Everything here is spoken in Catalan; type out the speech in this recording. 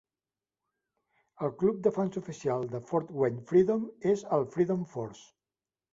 El club de fans oficial de Fort Wayne Freedom és el "Freedom Force".